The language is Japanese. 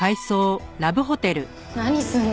何するの？